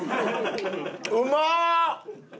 うまっ！